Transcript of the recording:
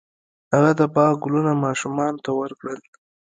هغه د باغ ګلونه ماشومانو ته ورکړل.